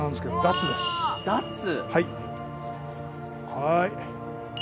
はい。